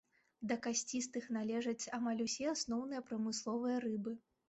Да касцістых належаць амаль усе асноўныя прамысловыя рыбы.